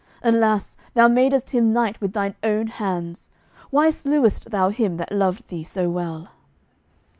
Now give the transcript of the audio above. Alas, thou madest him knight with thine own hands; why slewest thou him that loved thee so well?"